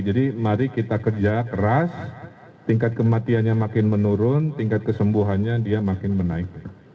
jadi mari kita kerja keras tingkat kematiannya makin menurun tingkat kesembuhannya dia makin menaik